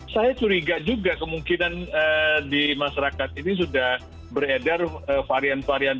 saya curiga juga kemungkinan di masyarakat ini sudah beredar varian varian